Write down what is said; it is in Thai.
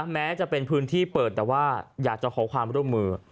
แม้จะเป็นพื้นที่เปิดแต่ว่าอยากจะขอความร่วมมือ